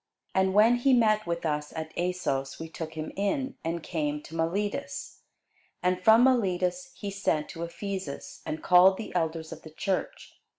And when he met with us at Assos, we took him in, and came to Miletus. And from Miletus he sent to Ephesus, and called the elders of the church.